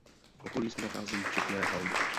V okolí se nacházejí četné haldy.